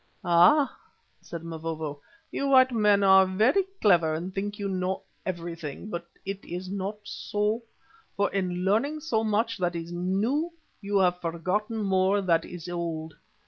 "Ah!" said Mavovo, "you white men are very clever and think that you know everything. But it is not so, for in learning so much that is new, you have forgotten more that is old.